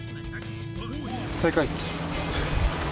最下位っす。